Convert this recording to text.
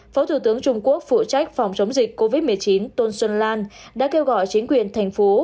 phó thủ tướng trung quốc phụ trách phòng chống dịch covid một mươi chín tôn xuân lan đã kêu gọi chính quyền thành phố